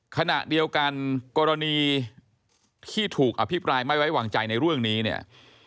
ขณะเดียวกันกรณีที่ถูกอภิปรายไม่ไว้วางใจในเรื่องนี้เนี่ย